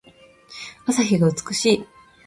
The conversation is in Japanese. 朝日が美しい。